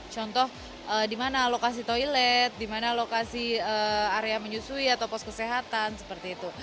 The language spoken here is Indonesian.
contoh di mana lokasi toilet di mana lokasi area menyusui atau pos kesehatan seperti itu